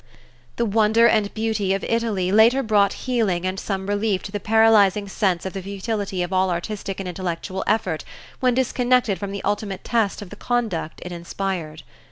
The wonder and beauty of Italy later brought healing and some relief to the paralyzing sense of the futility of all artistic and intellectual effort when disconnected from the ultimate test of the conduct it inspired.